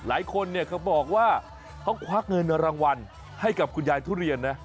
หลายคนเนี่ยเขาบอกว่าเขาควักเงินรางวัลให้กับคุณยายทุเรียนนะ